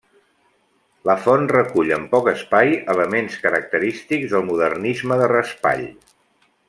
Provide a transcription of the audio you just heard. La font recull en poc espai elements característics del modernisme de Raspall.